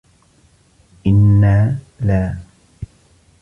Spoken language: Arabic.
إنَّا لَا